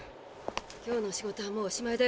今日の仕事はもうおしまいだよ。